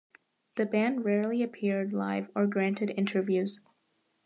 The band rarely appeared live or granted interviews.